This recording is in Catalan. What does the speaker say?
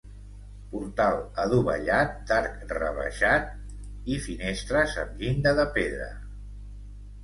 Portal adovellat d'arc rebaixat i finestres amb llinda de pedra.